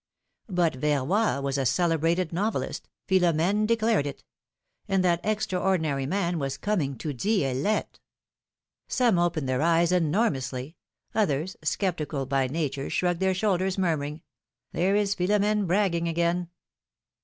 But Verroy was a celebrated novelist, Philoraene declared it — and that extraordinary man was coming to Dielette ! Some opened their eyes enormously; others, skeptical by nature, shrugged their shoulders, murmuring : There is Philom^ne bragging again